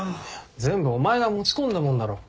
全部お前が持ち込んだもんだろ。